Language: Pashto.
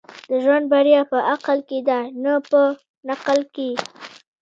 د ژوند بريا په عقل کي ده، نه په نقل کي.